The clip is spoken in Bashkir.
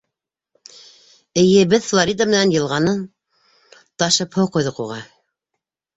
Эйе, беҙ Флорида менән йылғанан ташып һыу ҡойҙоҡ уға.